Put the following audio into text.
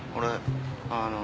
あの。